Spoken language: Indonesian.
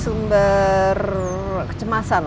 sumber kecemasan pak longki